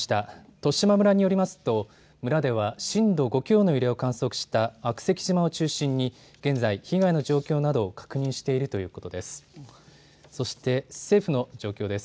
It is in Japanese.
十島村によりますと村では震度５強の揺れを観測した悪石島を中心に現在、被害の状況などを確認しているということです。